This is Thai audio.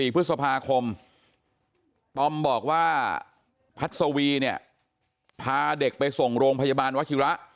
พฤษภาคมตอมบอกว่าพัศวีเนี่ยพาเด็กไปส่งโรงพยาบาลวชิระ